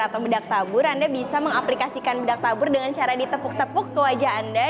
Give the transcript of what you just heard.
atau bedak tabur anda bisa mengaplikasikan bedak tabur dengan cara ditepuk tepuk ke wajah anda